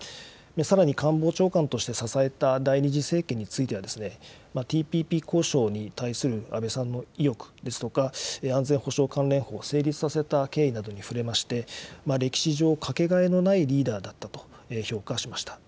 さらに官房長官として支えた第２次政権については、ＴＰＰ交渉に対する安倍さんの意欲ですとか、安全保障関連法を成立させた経緯などに触れまして、歴史上、掛けがえのないリーダーだったと評価しました。